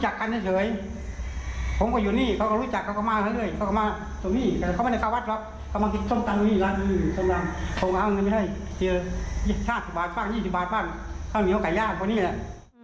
ผมเอาเงินให้เชือ๕๐๒๐บาทบ้างเข้ามีโอกาสย่างพอนี้แหละ